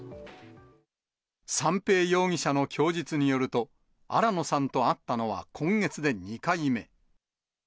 三瓶容疑者の供述によると、新野さんと会ったのは今月で２回目。